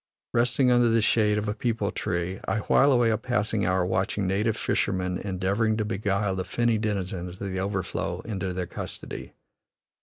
Resting under the shade of a peepul tree, I while away a passing hour watching native fishermen endeavoring to beguile the finny denizens of the overflow into their custody.